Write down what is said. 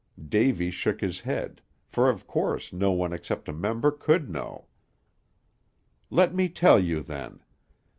Davy shook his head, for of course no one except a member could know. "Let me tell you, then.